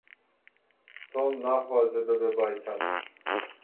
Tom naxwaze bibe baytar.